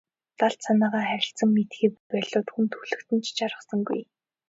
Далд санаагаа харилцан мэдэхээ болиод хүн төрөлхтөн жаргасангүй.